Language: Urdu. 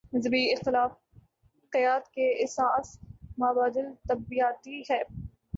مذہبی اخلاقیات کی اساس مابعد الطبیعیاتی ہے۔